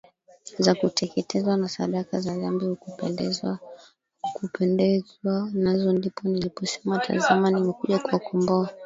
za kuteketezwa na sadaka za dhambi hukupendezwa nazo Ndipo niliposema Tazama nimekuja kuwakomboa